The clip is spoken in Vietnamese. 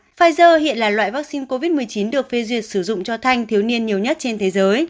pfizer hiện là loại vaccine covid một mươi chín được phê duyệt sử dụng cho thanh thiếu niên nhiều nhất trên thế giới